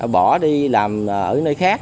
bỏ đi làm ở nơi khác